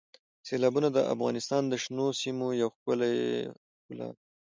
سیلابونه د افغانستان د شنو سیمو یوه ښکلې ښکلا ده.